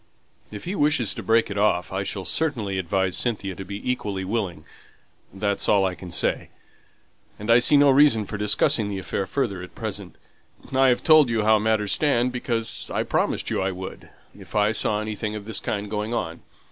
"If he wishes to break it off, I shall certainly advise Cynthia to be equally willing, that's all I can say. And I see no reason for discussing the affair further at present. I've told you how matters stand because I promised you I would, if I saw anything of this kind going on.